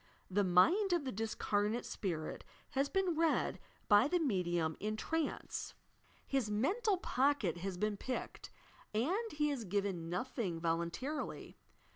The mind of the disearnate spirit has been read by the medium in trance. His "mental pocket has been picked," and he has given nothing volun tarily.